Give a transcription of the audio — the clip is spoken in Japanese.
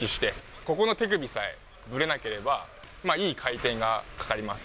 ここの手首さえぶれなければ、いい回転がかかります。